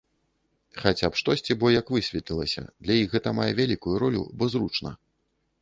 Хаця б штосьці, бо, як высветлілася, для іх гэта мае вялікую ролю, бо зручна.